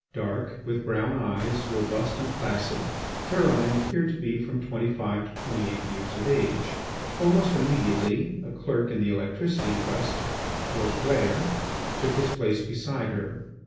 Dark, with brown eyes, robust and placid, Caroline appeared to be from twenty five to twenty eight years of age. Almost immediately, a clerk in the Electricity Trust, George Clair, took his place beside her.